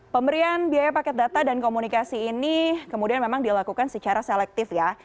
pemberian biaya paket data dan komunikasi ini kemudian memang dilakukan secara selektif ya